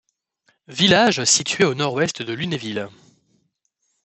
Village situé au nord-ouest de Lunéville.